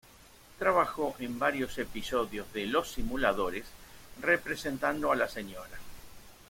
Trabajó en varios episodios de "Los Simuladores", representando a la Sra.